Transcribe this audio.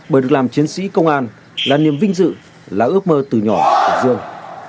bởi được làm chiến sĩ công an là niềm vinh dự là ước mơ từ nhỏ của dương